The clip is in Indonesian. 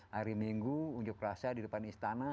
hari minggu unjuk rasa di depan istana